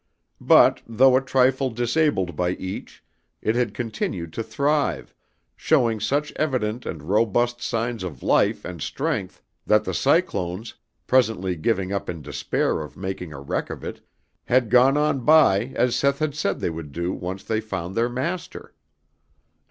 But, though a trifle disabled by each, it had continued to thrive, showing such evident and robust signs of life and strength that the cyclones, presently giving up in despair of making a wreck of it, had gone on by as Seth has said they would do once they found their master.